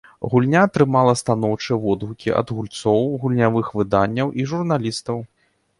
Гульня атрымала станоўчыя водгукі ад гульцоў, гульнявых выданняў і журналістаў.